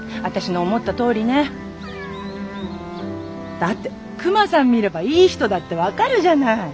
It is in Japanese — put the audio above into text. だってクマさん見ればいい人だって分かるじゃない。